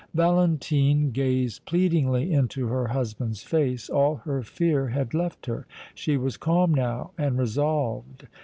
Valentine gazed pleadingly into her husband's face. All her fear had left her. She was calm now and resolved.